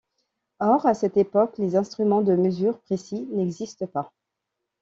Or, à cette époque, les instruments de mesure précis n'existent pas.